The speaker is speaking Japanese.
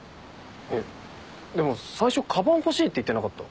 えっでも最初かばん欲しいって言ってなかった？